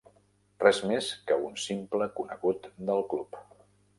Res més que un simple conegut del club.